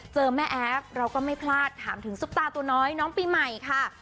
เจอแม่แอฟเราก็ไม่พลาดถามถึงซุปตาตัวน้อยน้องปีใหม่ค่ะ